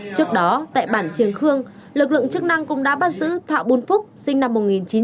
trước đó tại bản triều khương lực lượng chức năng cũng đã bắt giữ thạo bùn phúc sinh năm một nghìn chín trăm bảy mươi bảy